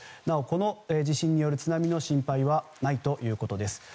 なお、この地震による津波の心配はないということです。